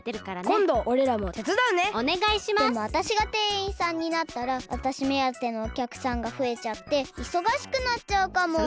でもあたしがてんいんさんになったらあたしめあてのおきゃくさんがふえちゃっていそがしくなっちゃうかも。